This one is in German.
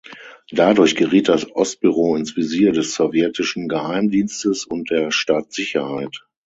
Dadurch geriet das Ost-Büro ins Visier des sowjetischen Geheimdienstes und der Staatssicherheit.